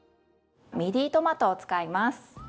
ミディトマトを使います。